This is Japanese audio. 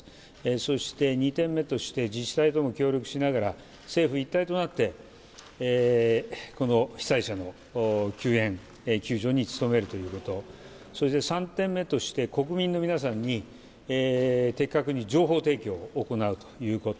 そして、２点目として自治体とも協力しながら政府一体となってこの被災者の救援・救助に努めるということ、３点目として国民の皆さんに的確に情報提供を行うということ。